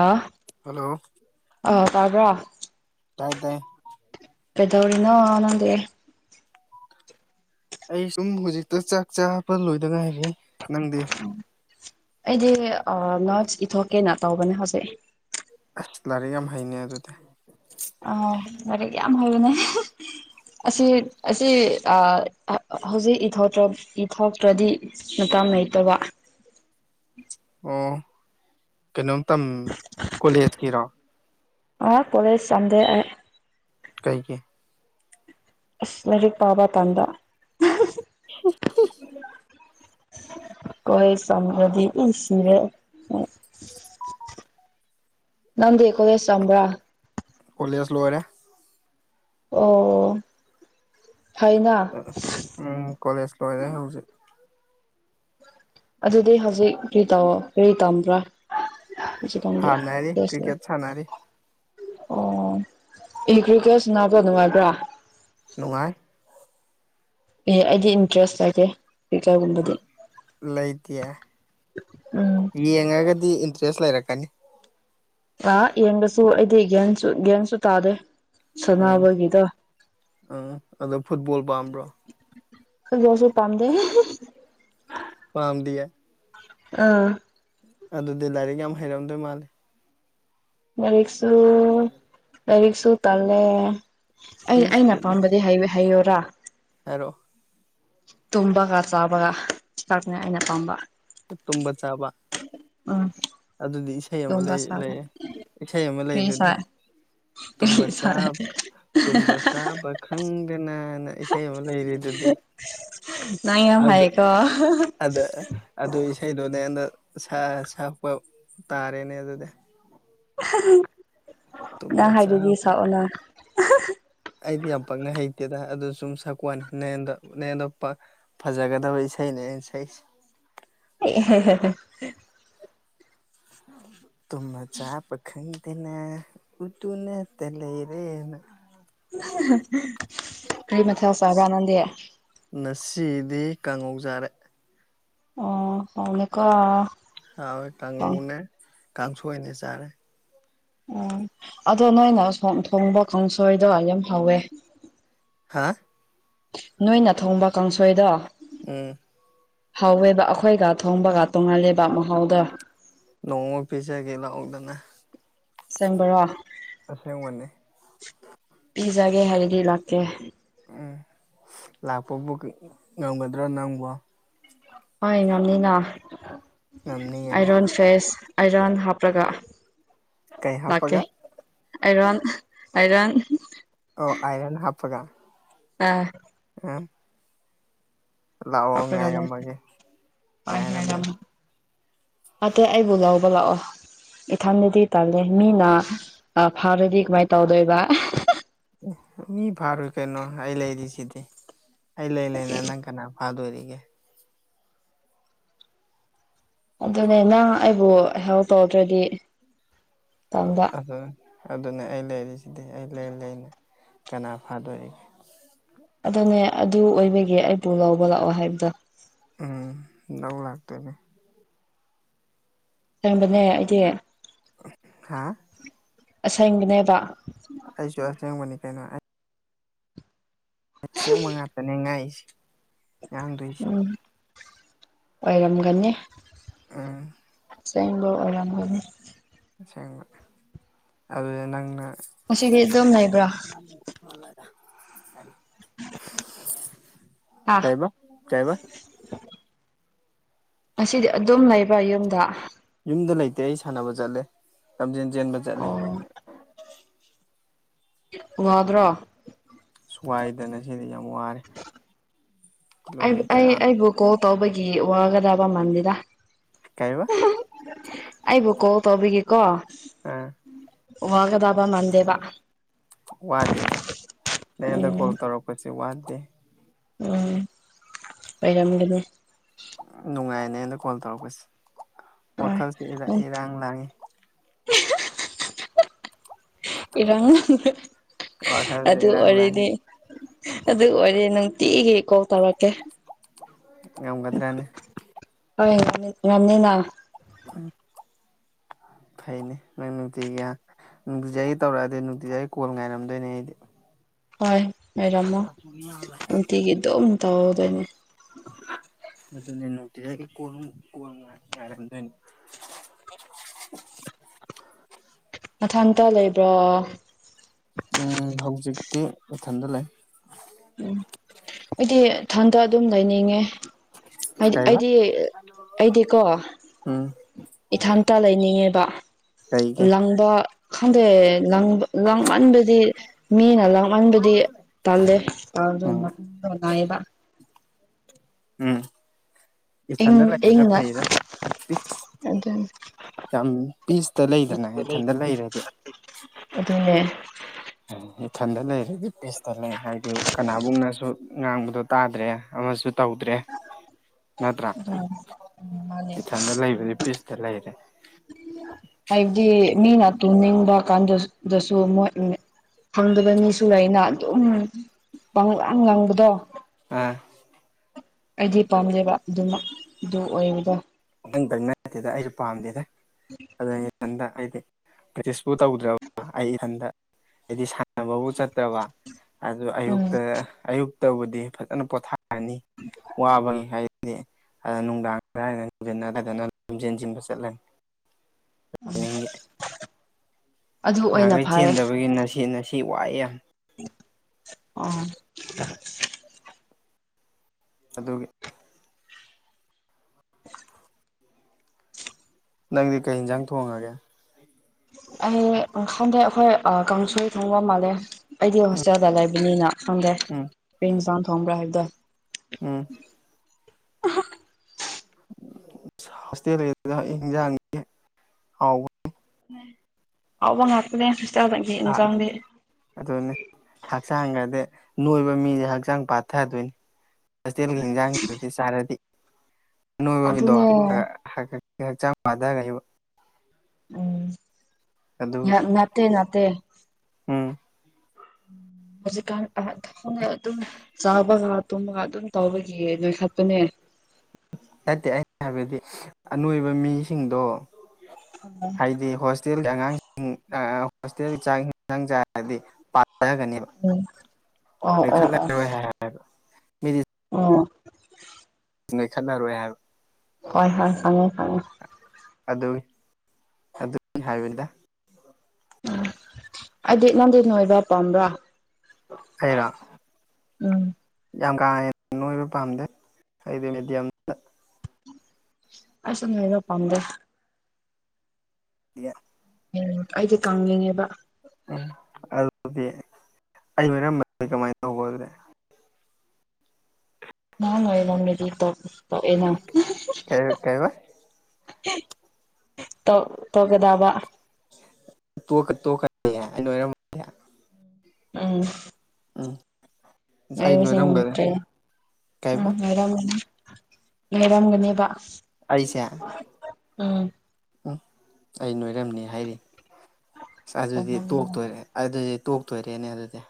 ꯑꯥ hello ꯑ ꯇꯥꯕ꯭ꯔꯥ ꯇꯥꯏ ꯇꯥꯏ ꯦꯗꯧꯔꯤꯅꯣ ꯋꯥꯅꯗꯦ ꯑꯩ ꯁꯨꯝ ꯍꯧꯖꯤꯛꯇ ꯆꯥꯛ ꯆꯥꯕ ꯂꯣꯏꯗ ꯉꯥꯏꯔꯤ ꯅꯪꯗꯤ ꯎ ꯑꯩꯗꯤ ꯅꯣꯁ ꯏꯊꯣꯛꯀꯦꯅ ꯇꯧꯕꯅꯦ ꯍꯧꯖꯤꯛ ꯑꯁ ꯂꯥꯏꯔꯤꯛ ꯌꯥꯝ ꯍꯩꯅꯦꯩ ꯑꯗꯨꯗꯤ ꯑꯥꯎ ꯂꯔꯤꯛ ꯌꯥꯝ ꯍꯕꯅꯦ ꯑꯁꯤ ꯑꯁꯤ ꯍꯧꯖꯤꯛꯇ ꯏꯊꯣꯛꯇ꯭ꯔꯗꯤ ꯃꯇꯥꯝ ꯃꯇ ꯋꯥ ꯑꯣ ꯀꯩꯅꯣꯝ ꯇꯝ ꯀꯣꯂꯦꯖꯀꯤꯔꯣ ꯑ ꯀꯣꯂꯦꯖ ꯆꯝꯗꯦ ꯀꯥꯏꯒꯤꯦ ꯑꯁ ꯂꯥꯏꯔꯤꯛ ꯄꯥꯕ ꯀꯗ [inaudible] ꯀꯣꯏ ꯁꯝꯕ꯭ꯔꯗꯤ ꯁꯤꯦ [inaudible] ꯅꯪꯗꯤ ꯀꯣꯒꯦꯁ ꯆꯝꯕ꯭ꯔꯥ꯫ ꯀꯣꯂꯦꯖ ꯂꯣꯏꯔꯦ꯫ ꯑꯣ꯫ ꯐꯩꯅ ꯎꯝ ꯀꯣꯂꯦꯖ ꯂꯣꯏꯔꯦ ꯍꯧꯖꯤꯛ꯫ ꯑꯗꯨꯗꯤ ꯍꯧꯖꯤꯛ ꯀꯔꯤ ꯇꯧꯑꯣ ꯀꯔꯤ ꯇꯝꯕ꯭ꯔꯥ꯫ ꯁꯥꯟꯅꯔꯤ ꯀ꯭ꯔꯤꯀꯦꯠ [unintelligible] ꯁꯥꯟꯅꯔꯤ ꯑꯣ [unintelligible] ꯅꯉꯥꯏꯕ꯭ꯔ꯫ ꯅꯨꯡꯉꯥꯏ꯫ ꯑꯦ ꯑꯩꯗꯤ ꯏꯟꯇꯔꯦꯁ ꯂꯩꯇꯦ꯫ ꯀ꯭ꯔꯤꯀꯦꯠꯒꯨꯝꯕꯗꯤ ꯂꯩꯇꯦ ꯎꯝ ꯌꯦꯡꯉꯒꯗꯤ ꯏꯟꯇ꯭ꯔꯦꯁ ꯂꯩꯔꯛꯀꯅꯤ꯫ ꯑ ꯌꯦꯡꯕꯁꯨ ꯑꯩꯗꯤ ꯌꯦꯟꯁꯨ ꯌꯦꯟꯁꯨ ꯇꯥꯗꯦ ꯎꯝ ꯁꯥꯟꯅꯕꯒꯤꯗꯣ ꯎꯝ ꯑꯗꯣ ꯐꯨꯠꯕꯣꯜ ꯄꯥꯝꯕ꯭ꯔꯣ ꯁꯨ ꯄꯝ ꯗꯦ ꯄꯥꯝꯗꯤ ꯑꯦ ꯑꯥ ꯑꯗꯨꯗꯤ ꯂꯥꯏꯔꯤꯛ ꯌꯥꯝ ꯍꯩꯔꯝꯗꯣꯏ ꯃꯥꯜꯂ ꯂꯥꯏꯔꯤꯛꯁꯨ ꯂꯥꯏꯔꯤꯛꯁꯨ ꯇꯜꯂꯦ ꯑꯩ ꯑꯩꯅ ꯑꯄꯥꯝꯕꯗꯤ ꯍꯥꯏꯌꯔꯥ ꯍꯥꯏꯔꯣ ꯇꯨꯝꯕꯒ ꯆꯥꯕꯒ ꯆꯥꯛꯄꯅꯦ ꯑꯩꯅ ꯄꯥꯝꯕ ꯇꯨꯝꯕ ꯆꯥꯕ꯫ ꯎꯝ꯫ ꯑꯗꯨꯗꯤ ꯏꯁꯩ ꯑꯃ ꯇꯨꯝꯕ ꯂꯩꯌꯦ ꯆꯥꯕ ꯂꯩꯌꯦ ꯏꯁꯩ ꯑꯃ ꯂꯩ ꯀꯔꯤ ꯑꯗꯨꯗꯤ꯫ ꯁꯥꯏ ꯇꯨꯝꯕ ꯀꯔꯤ ꯁꯥꯏ ꯆꯥꯕ ꯇꯨꯝꯕ ꯆꯥꯕ ꯈꯪꯗꯅꯅ ꯏꯁꯩ ꯑꯃ ꯂꯩꯔꯤꯗꯨꯗꯤ꯫ ꯅꯪ ꯌꯥꯝ ꯑꯗꯨ ꯍꯩꯌꯦꯀꯣ꯫ ꯑꯗ ꯑꯗꯨ ꯏꯁꯩꯗꯨꯅꯦ ꯃ ꯁꯥ ꯁꯛꯄ ꯇꯥꯔꯦꯅꯦ ꯑꯗꯨꯗꯤ꯫ ꯇꯨꯝꯕ ꯅꯪ ꯍꯥꯏꯗꯨꯗꯤ ꯆꯥꯕ ꯁꯛꯑꯣꯅ꯫ ꯑꯩꯗꯤ ꯌꯥꯝ ꯄꯛꯅ ꯍꯩꯇꯦꯗ ꯑꯗꯨ ꯁꯨꯝ ꯁꯛꯀꯣꯋꯥꯅꯤ ꯅꯌꯦꯟꯗ ꯅꯌꯦꯟꯗꯅꯨꯄ꯫ ꯐꯖꯒꯗꯕ ꯏꯁꯩꯅꯦ ꯑꯩꯅ ꯁꯛꯏꯁꯦ꯫ [unintelligible] ꯇꯨꯝꯕ ꯆꯥꯕ ꯈꯪꯗꯅ ꯎꯗꯨꯅꯇ ꯂꯩꯔꯦꯅ꯫ ꯀꯔꯤ ꯃꯊꯦꯜ ꯆꯥꯕ ꯅꯪꯗꯤ꯫ ꯉꯁꯤꯗꯤ ꯀꯥꯡꯉꯧ ꯆꯔꯦ꯫ ꯑꯣ ꯍꯧꯕꯅꯦꯀꯣ꯫ ꯍꯥꯎꯋꯦ ꯀꯥꯡꯉꯧꯅꯦ ꯀꯥꯡꯁꯣꯏꯅꯦ ꯆꯥꯔꯦ꯫ ꯎꯝ ꯑꯗꯣ ꯅꯣꯏꯅ ꯊꯣꯡꯕ ꯀꯥꯡꯁꯣꯏꯗꯣ ꯌꯥꯝ ꯍꯥꯎꯋꯦ꯫ ꯍꯥꯥ꯫ ꯅꯣꯏꯅ ꯊꯣꯡꯕ ꯀꯥꯡꯁꯣꯏꯗꯣ꯫ ꯎꯝ꯫ ꯍꯥꯎꯋꯦꯕ ꯑꯩꯈꯣꯏꯒ ꯊꯣꯡꯕꯒ ꯇꯣꯡꯍꯜꯂꯦꯕ ꯃꯍꯥꯎꯗꯣ꯫ ꯅꯣꯡꯃ ꯄꯤꯖꯒꯦ ꯂꯥꯛꯑꯣꯗꯅ꯫ ꯑꯁꯦꯡꯕꯔꯣ꯫ ꯑꯁꯦꯡꯕꯅꯦ꯫ ꯄꯤꯖꯒꯦ ꯍꯥꯏꯔꯗꯤ ꯂꯥꯛꯀꯦ꯫ ꯎꯝ ꯂꯥꯛꯄꯕꯨ ꯉꯝꯒꯗ꯭ꯔꯥ ꯅꯪꯕꯣ꯫ ꯍꯣꯏ ꯉꯝꯅꯤꯅ ꯉꯝꯅꯤꯌꯦ ꯑꯥꯏꯔꯣꯟ ꯐꯦꯁ ꯑꯥꯏꯔꯟ ꯍꯥꯞꯂꯒ ꯀꯩ ꯂꯥꯛꯀꯦ꯫ ꯍꯥꯞꯄꯒ ꯑꯥꯏꯔꯣꯟ ꯑꯥꯏꯔꯟ꯫ ꯑꯣ ꯑꯥꯏꯔꯟ ꯍꯥꯞꯄꯒ꯫ ꯑꯥ꯫ [unintelligible] ꯂꯥꯛꯑꯣ ꯉꯥꯏꯔꯝꯃꯒꯦ ꯉꯥꯏꯔꯝꯃꯒꯦ ꯑꯄꯒꯦꯗꯥ ꯑꯦ ꯑꯩꯕꯨ ꯂꯧꯕ ꯂꯥꯛꯑꯣ ꯏꯊꯟꯗꯗꯤ ꯇꯜꯂꯦ ꯃꯤꯅ ꯐꯔꯗꯤ ꯀꯃꯥꯏꯅ ꯇꯧꯗꯣꯏꯕ ꯃꯤ ꯐꯥꯔꯨꯏ ꯀꯩꯅꯣ ꯑꯩ ꯂꯩꯔꯤꯁꯤꯗꯤ ꯑꯩ ꯂꯩ ꯂꯩꯅꯦ ꯅꯪ ꯀꯅꯥ ꯑꯥꯗꯔꯤꯒꯦ ꯑꯗꯨꯅꯦ ꯅꯪ ꯑꯩꯕꯨ ꯍꯦꯜ ꯇꯧꯗ꯭ꯔꯗꯤ ꯇꯟꯕ ꯑꯗꯨꯅ ꯑꯩ ꯂꯩꯔꯤꯁꯤꯗꯤ ꯑꯩ ꯂꯩ ꯂꯩꯅ ꯀꯅꯥ ꯐꯥꯗꯣꯛꯏꯒꯦ ꯑꯗꯨꯅꯦ ꯑꯗꯨ ꯑꯣꯏꯕꯒꯤꯦ ꯑꯩꯕꯨ ꯂꯧꯕ ꯂꯥꯛꯑꯣ ꯍꯥꯏꯕꯗꯣ ꯎꯝ ꯂꯧꯧ ꯂꯥꯛꯇꯣꯏꯅꯦ ꯇꯟꯕꯅꯦ ꯑꯩꯗꯤ꯫ ꯍꯥꯥ꯫ ꯑꯁꯦꯡꯕꯅꯦꯕ꯫ ꯑꯩꯁꯨ ꯑꯁꯦꯡꯕꯅꯤ ꯀꯩꯅꯣ꯫ ꯑꯁꯦꯡꯕ ꯉꯥꯛꯇꯅꯦ ꯉꯥꯏꯁꯦ ꯉꯥꯡꯗꯣꯏꯁꯦ꯫ ꯎꯝ ꯑꯣꯏꯔꯝꯒꯅꯤ꯫ ꯎꯝ꯫ ꯑꯁꯦꯡꯕ ꯑꯣꯏꯔꯝꯒꯅꯤ꯫ ꯑꯁꯦꯡꯕ ꯑꯗꯨꯗ ꯅꯪꯅ꯫ ꯉꯗꯤ ꯑꯗꯨꯝ ꯂꯩꯕ꯭ꯔꯥ ꯑꯥ ꯀꯥꯏꯕ ꯆꯥꯏꯕ ꯉꯁꯤꯗꯤ ꯑꯗꯨꯝ ꯂꯩꯕ꯭ꯔ ꯌꯨꯝꯗ ꯌꯨꯝꯗ ꯂꯩꯇꯦ ꯑꯩ ꯁꯥꯟꯅꯕ ꯆꯠꯂꯦ ꯂꯝꯖꯦꯟ ꯆꯦꯟꯕ ꯆꯠꯂꯦ ꯑꯣ ꯋꯥꯗ꯭ꯔ ꯁ꯭ꯋꯥꯏꯗꯅ ꯁꯤꯗꯤ ꯌꯥꯝ ꯋꯥꯔꯦ ꯑꯩ ꯀꯤꯂꯣꯃꯤꯇꯔ ꯑꯩꯕꯨ ꯀꯣꯜ ꯇꯧꯕꯒꯤ ꯋꯥꯒꯗꯕ ꯃꯜꯗꯤꯗ ꯀꯥꯏꯔꯤꯕ ꯑꯩꯕꯨ ꯀꯣꯜ ꯇꯧꯕꯤꯒꯦꯀꯣ ꯑꯥ ꯋꯥꯒꯗꯕ ꯃꯟꯗꯦꯕ ꯋꯥꯗꯦꯗ ꯅꯣꯟꯗ ꯎꯝ ꯀꯣꯜ ꯇꯧꯔꯛꯄꯁꯤ ꯋꯥꯗꯦ ꯎꯝ ꯑꯣꯏꯔꯃꯤꯒꯅꯦ ꯅꯨꯡꯉꯥꯏꯅꯦ ꯑꯩꯅ ꯀꯣꯜ ꯇꯧꯔꯛꯄꯁꯦ ꯑ ꯋꯥꯈꯜꯁꯦ ꯎ ꯏꯔꯥꯡ ꯂꯥꯡꯉꯤ ꯏꯔꯪ ꯋꯥꯈꯜꯁꯦ ꯑꯗꯨ ꯏꯔꯥꯡ ꯂꯥꯡꯉꯤ ꯑꯣꯏꯔꯅꯤ ꯑꯗꯨ ꯑꯣꯏꯔꯦ ꯅꯨꯡꯇꯤꯒꯤ ꯀꯣꯜ ꯇꯧꯔꯛꯀꯦ ꯉꯝꯒꯗ꯭ꯔꯅ ꯍꯣꯏ ꯉꯅꯤꯅ ꯐꯩꯅꯦ ꯃ ꯊꯒ ꯅꯨꯡꯇꯤꯖꯥꯒꯤ ꯇꯧꯔꯛꯑꯗꯤ ꯅꯨꯡꯇꯤꯖꯥꯒꯤ ꯀꯣꯜ ꯉꯥꯏꯔꯝꯗꯣꯏꯅꯦ ꯑꯩꯗꯤ ꯍꯣꯏ ꯑꯣꯏꯔꯝꯃꯣ ꯅꯨꯡꯇꯤꯒꯤ ꯑꯗꯨꯝ ꯇꯧꯍꯧꯗꯣꯏꯅꯦ ꯑꯗꯨꯇꯖ ꯀ ꯀ ꯉꯔꯝꯅꯤ ꯃꯊꯪꯇ ꯂꯩꯕ꯭ꯔꯥ ꯎꯝ ꯍꯧꯖꯤꯛꯇꯤ ꯏꯊꯟꯗ ꯂꯩ ꯎꯝ ꯑꯩꯗꯤꯊꯟꯗ ꯑꯗꯨꯝ ꯂꯩꯅꯤꯡꯉꯦ ꯍꯥꯏꯗꯤ ꯀꯩꯕ ꯑꯩꯗꯤ ꯑꯩꯗꯤꯀꯣ ꯎꯝ ꯏꯊꯥꯟ ꯇ ꯂꯩꯅꯤꯡꯉꯦꯕ ꯂꯩꯒꯦ ꯂꯪꯕ ꯈꯟꯗꯦꯦ ꯂꯥꯡꯃꯟꯕꯗꯤ ꯃꯤꯅ ꯂꯥꯡꯃꯟꯕꯗꯤ ꯇꯜꯂꯦ ꯎꯝ ꯉꯕ ꯎꯝ ꯏꯪ ꯏꯊꯟꯗ ꯂꯩꯕꯅ ꯏꯪꯅ ꯐꯩꯗ ꯑꯗꯨ ꯌꯥꯝ ꯄꯤꯁꯇ ꯂꯩꯗꯅ ꯏꯊꯟꯇ ꯂꯩꯔꯗꯤ ꯑꯗꯨꯅꯦ ꯏꯊꯟꯗ ꯂꯩꯔꯗꯤ ꯄꯤꯁꯇ ꯂꯩ ꯍꯥꯏꯗꯤ ꯀꯅꯥꯒꯨꯝꯅꯁꯨ ꯉꯥꯡꯕꯗꯣ ꯇꯥꯗ꯭ꯔꯦ ꯑꯃꯁꯨ ꯇꯧꯗ꯭ꯔꯦ ꯅꯠꯇ꯭ꯔꯥ ꯃꯥꯅꯦ ꯏꯊꯟꯗ ꯂꯩꯕꯗꯤ ꯄꯤꯁꯇ ꯂꯩꯔꯦ ꯍꯥꯏꯕꯗꯤ ꯃꯤꯅ ꯇꯨꯝꯅꯤꯡꯕ ꯀꯥꯟꯗꯗꯁꯨ ꯃꯣꯏ ꯐꯪꯗꯕ ꯃꯤꯁꯨ ꯂꯩꯩꯅ ꯑꯗꯨꯝ ꯄꯪꯂꯪꯂꯥꯡ ꯂꯥꯡꯕꯗꯣ ꯑ ꯑꯩꯗꯤ ꯄꯥꯝꯖꯕ ꯑꯗꯨꯃꯛ ꯑꯗꯨ ꯑꯣꯏꯒ ꯋꯥꯍꯪꯕꯩ ꯅꯠꯇꯦꯗ ꯑꯩꯁꯨ ꯄꯥꯝꯗꯦꯗ ꯎꯝ ꯑꯗꯨꯩꯅ ꯏꯊꯟꯗ ꯍꯥꯏꯗꯤ ꯄ꯭ꯔꯦꯛꯇꯤꯁꯄꯨ ꯇꯧꯗ꯭ꯔꯕ ꯑꯩ ꯏꯊꯟꯗ ꯍꯥꯏꯗꯤ ꯕꯨ ꯆꯠꯇꯕ ꯑꯗꯨ ꯑꯌꯨ ꯎꯝ ꯑꯌꯨꯛꯇꯕꯨꯗꯤ ꯐꯖꯅ ꯄꯣꯊꯥ ꯋꯥꯕꯅꯤ ꯍꯥꯏꯔꯗꯤ ꯑꯗ ꯅꯨꯡꯗꯥꯡꯗꯅꯤ ꯖꯅꯔꯗꯅ ꯂꯝꯖꯦꯟꯁꯤꯟꯕ ꯆꯠꯂꯅꯤ ꯎꯝ ꯅꯍꯥꯟꯈꯩ ꯐꯔꯦ ꯆꯦꯟꯗꯕꯒꯤ ꯉꯁꯤ ꯉꯁꯤ ꯋꯥꯏꯑꯦ ꯑꯣ ꯑꯗꯨꯒꯒꯤ ꯅꯪꯗꯤ ꯀꯩ ꯌꯦꯟꯖꯥꯡ ꯊꯣꯡꯉꯒꯦ ꯑꯩ ꯈꯪꯗꯩ ꯑꯩꯈꯣꯏ ꯀꯥꯡꯁꯣꯏ ꯊꯣꯡꯕ ꯃꯥꯜꯂꯦ ꯑꯩꯗꯤ ꯎꯝ ꯍꯣꯁꯇꯦꯜꯗ ꯂꯩꯕꯅꯤꯅ ꯈꯪꯗꯦ ꯎꯝ ꯏꯦꯡ ꯏꯟꯁꯥꯡ ꯊꯣꯡꯕ꯭ꯔꯥ ꯍꯥꯏꯕꯗꯣ ꯎꯝ ꯇꯖꯒꯦ ꯍꯥꯎꯕ ꯉꯥꯛꯇꯅꯦ ꯁꯤꯁꯇꯔꯗ ꯌꯦ ꯌꯦꯟ ꯆꯪꯗꯦ ꯑꯗꯨꯅꯦ ꯍꯛꯆꯥꯡꯒꯗꯤ ꯅꯣꯏꯕ ꯃꯤꯁꯦ ꯍꯛꯆꯥꯡ ꯄꯥꯊꯗꯣꯏꯅꯤ ꯍꯣꯁꯇꯦꯜꯒꯤꯖꯥꯡꯗꯤ ꯁꯔꯗꯤ ꯑꯅꯣꯏꯕꯒꯤꯗꯣ ꯑꯗꯨꯅꯦ ꯍꯛꯆꯥꯡ ꯐꯊ ꯎꯝ ꯑꯗꯨꯒꯤ ꯉꯠꯇꯦ ꯅꯠꯇꯦ ꯎꯝ ꯍꯧꯖꯤꯛꯀꯥꯟ ꯑꯅ ꯑꯗꯨꯝ ꯆꯥꯕꯒ ꯇꯨꯝꯕꯒ ꯑꯗꯨꯝ ꯇꯧꯕꯒꯤꯌꯦ ꯅꯣꯏꯈꯠꯄꯅꯦ ꯅꯠꯇꯦ ꯑꯩꯅ ꯍꯥꯏꯕꯗꯤ ꯑꯅꯣꯏꯕ ꯃꯤꯁꯤꯡꯗꯣ ꯎꯝ ꯑꯣ ꯍꯥꯏꯗꯤ ꯍꯣꯁꯇꯦꯜꯒꯤ ꯑꯉꯥꯡꯁꯤꯡ ꯍꯣꯁꯇꯦꯜꯒꯤ ꯆꯥꯡꯁꯤꯡꯁꯥꯡ ꯆꯥꯔꯗꯤ ꯄꯥꯖꯒꯅꯦꯕ ꯑꯣ ꯈꯠꯂ ꯃꯤꯗꯤ ꯑ ꯅꯣꯏ ꯈꯠꯅꯔꯣꯏ ꯍꯥꯏꯕ ꯍꯣꯏ ꯍꯣꯏ ꯁꯉꯦ ꯁꯉꯦ ꯑꯗꯨ ꯑꯗꯨ ꯍꯥꯏꯕꯗ ꯎ ꯑꯩꯗꯤ ꯅꯪꯗꯤ ꯅꯣꯏꯕ ꯄꯥꯝꯕ꯭ꯔꯣ ꯑꯩꯔꯥ ꯎꯝ ꯌꯥꯝ ꯀꯥ ꯍꯦꯟꯅ ꯅꯣꯏꯕ ꯄꯥꯝꯗꯦ ꯑꯩꯗꯤ ꯃꯦꯗꯤꯌꯝ ꯑꯩꯁꯨ ꯅꯣꯏꯅ ꯄꯥꯝꯗꯦ ꯌꯦ ꯎꯝ ꯑꯩꯗꯤ ꯀꯉꯦꯕ ꯎꯝ ꯑꯗꯨꯗꯤ ꯑꯩ ꯑꯣꯏꯔꯝꯕ ꯀꯃꯥꯏꯅ ꯇꯧꯕ ꯑꯗꯨꯗꯤ ꯅꯥꯟꯥꯏ ꯅꯝꯃꯦꯗꯤ ꯇ ꯀ ꯀꯥꯏ ꯋꯥ ꯇꯧ ꯇꯒꯦꯗꯥꯕ ꯇꯦ ꯑꯣꯏꯔ ꯎꯝ ꯎꯝ ꯑꯩ ꯑꯏꯕ ꯁꯤꯦ ꯅꯣꯏꯔꯝꯒꯅꯤ ꯀꯩꯕ ꯎꯔꯅꯤ ꯂꯩꯔꯝꯒꯅꯦꯕ ꯑꯩꯁꯦ ꯎꯝ ꯑꯩ ꯅꯣꯏꯔꯝꯅꯤ ꯍꯥꯏꯔꯤ ꯑꯁ ꯑꯗꯨꯗꯤ ꯇꯧꯔꯝꯅꯤꯅ ꯇꯣꯛꯇꯣꯏꯔꯦ ꯑꯗꯨꯗꯤ ꯇꯣꯛꯇꯣꯏꯔꯦꯅꯦ ꯑꯗꯨꯗꯤ